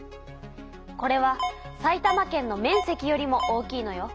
これは埼玉県の面積よりも大きいのよ。